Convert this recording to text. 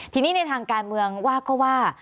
ทีนี้ในทางการเมืองว่าก็ว่า